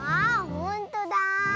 ほんとだ。